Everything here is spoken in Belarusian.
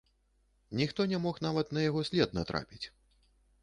Ніхто не мог нават на яго след натрапіць.